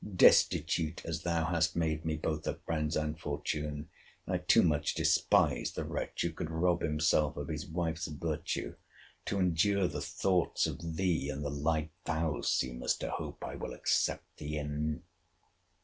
Destitute as thou hast made me both of friends and fortune, I too much despise the wretch, who could rob himself of his wife's virtue, to endure the thoughts of thee in the light thou seemest to hope I will accept thee in!